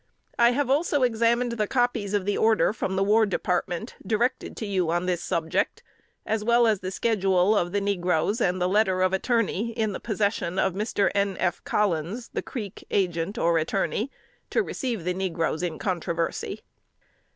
I have also examined the copies of the order from the War Department, directed to you on this subject, as well as the schedule of the negroes and letter of attorney, in the possession of Mr. N. F. Collins, the Creek agent or attorney, to receive the negroes in controversy.